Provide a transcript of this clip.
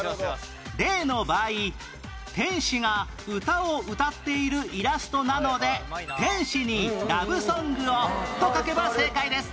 例の場合天使が歌を歌っているイラストなので『天使にラブ・ソングを』と書けば正解です